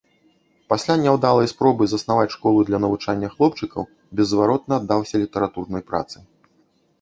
Пасля няўдалай спробы заснаваць школу для навучання хлопчыкаў, беззваротна аддаўся літаратурнай працы.